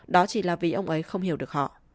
đó chỉ là vì ông ấy không hiểu được họ